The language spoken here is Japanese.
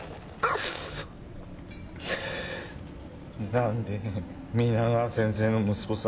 なんで皆川先生の息子さんが。